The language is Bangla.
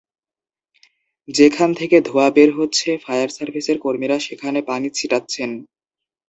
যেখান থেকে ধোঁয়া বের হচ্ছে, ফায়ার সার্ভিসের কর্মীরা সেখানে পানি ছিটাচ্ছেন।